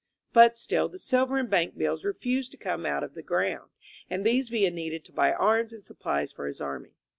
But still the silver and bank bills refused to come out of the ground, and these Villa needed to buy arms and supplies for his army.